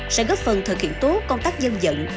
sẽ góp phần thực hiện tốt công tác dân dận